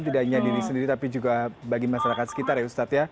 tidak hanya diri sendiri tapi juga bagi masyarakat sekitar ya ustadz ya